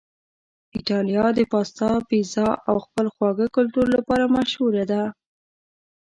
ایتالیا د پاستا، پیزا او خپل خواږه کلتور لپاره مشهوره ده.